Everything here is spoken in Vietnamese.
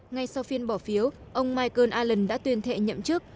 ngay sau phiên bỏ phiếu ông michael alen đã tuyên thệ nhậm chức